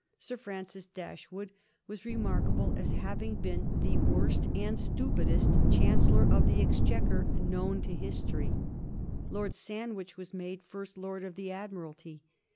Sir Francis Dashwood was remarkable as having been the worst and stupidest Chancellor of the Exchequer known to history. Lord Sandwich was made First Lord of the Admiralty.